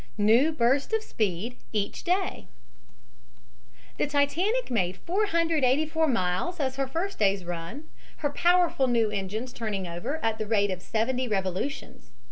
NEW BURST OF SPEED EACH DAY The Titanic made 484 miles as her first day's run, her powerful new engines turning over at the rate of seventy revolutions.